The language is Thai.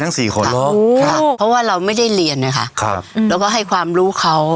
สี่คนเนอะค่ะเพราะว่าเราไม่ได้เรียนนะคะครับแล้วก็ให้ความรู้เขา